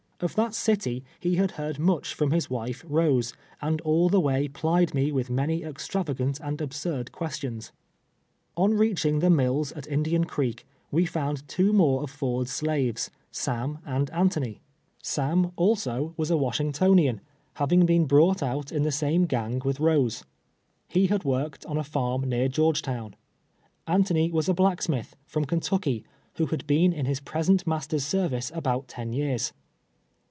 Of that city, he had heard much from his wife, liose, and all the way plied me with many extravagant and absurd questions. On reaching the mills at Indian Creek, we found two more of Ford's slaves, Sam and Antt.^n^^. Sam, also, was a Washingtouian, having been brought out SABBATH DAT3. 97 in tlie same gang with Eose, He had worked on a farm near Georgetown. Antony was a blacksmith, from Kentucky, who had been in his present master's service about ten years.